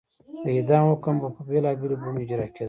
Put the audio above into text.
د اعدام حکم به په بېلابېلو بڼو اجرا کېده.